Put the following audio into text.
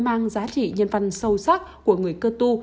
mang giá trị nhân văn sâu sắc của người cơ tu